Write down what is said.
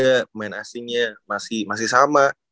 pemain asingnya masih sama